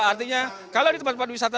artinya kalau di tempat tempat wisata